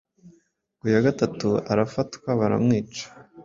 ku ya gatatu arafatwa baramwica